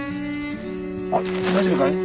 あっ大丈夫かい？